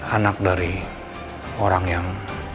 anak dari orang yang